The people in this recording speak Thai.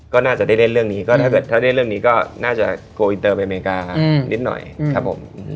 ก็น่าจะได้เล่นเรื่องนี้ก็ถ้าเกิดถ้าเล่นเรื่องนี้ก็น่าจะโกอินเตอร์ไปอเมริกานิดหน่อยครับผม